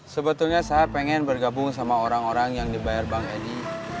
sebetulnya saya pengen bergabung sama orang orang yang dibayar bang edi